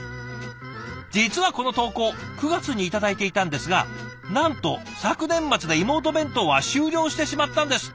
実はこの投稿９月に頂いていたんですがなんと昨年末で妹弁当は終了してしまったんですって。